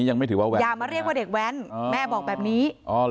อย่ามาเรียกว่าเด็กแว๊นแม่บอกแบบนี้